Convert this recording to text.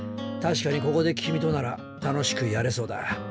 確かにここで君となら楽しくやれそうだ。